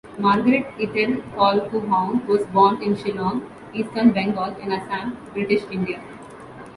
Margaret Ithell Colquhoun was born in Shillong, Eastern Bengal and Assam, British India.